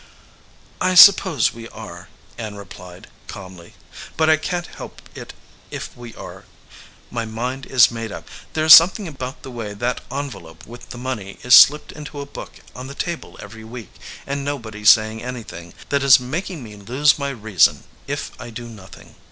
"I suppose we are," Ann replied, calmly; "but I can t help it if we are. My mind is made up; There is something about the way that envelope with the money is slipped into a book on the table EDGEWATER PEOPLE every week, and nobody saying anything, that is making me lose my reason, if I do nothing."